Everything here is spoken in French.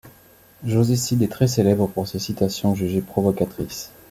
José Cid est très célèbre pour ses citations jugées provocatrices.